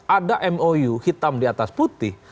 ada mou hitam di atas putih